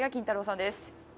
さんです